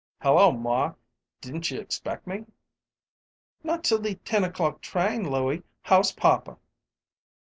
"Hello, maw! Didn't you expect me?" "Not till the ten o'clock train, Louie. How's papa?"